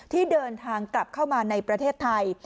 ที่เดินทางกลับเข้ามาในประเทศไทย